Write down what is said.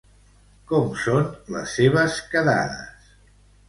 Com són les seves quedades?